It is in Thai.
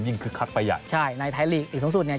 ยิ่งคึกคักไปใหญ่ใช่ในไทลิคสุดเนี้ย